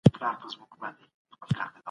زموږ خلک کار ته اړتیا لري.